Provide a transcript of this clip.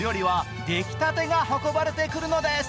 メインの料理は出来たてが運ばれてくるのです。